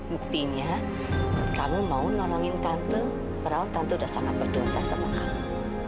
buktinya kamu mau nolongin tante perahu tante sudah sangat berdosa sama kamu